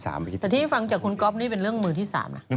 แต่ที่ฟังจากคุณก๊อฟนี่เป็นเรื่องมือที่๓นะ